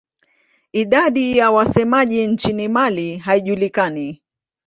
Idadi ya wasemaji nchini Mali haijulikani.